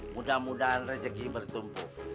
mudah mudahan rezeki bertumbuh